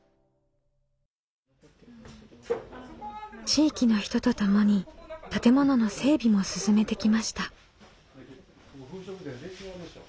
地域の人とともに建物の整備も進めてきました。